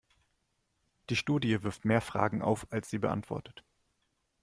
Die Studie wirft mehr Fragen auf, als sie beantwortet.